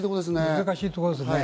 難しいところですね。